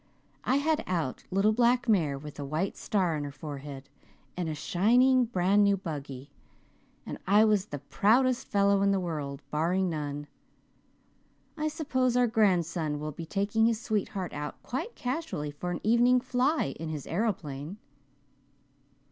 I had out little black mare with the white star on her forehead, and a shining brand new buggy and I was the proudest fellow in the world, barring none. I suppose our grandson will be taking his sweetheart out quite casually for an evening 'fly' in his aeroplane."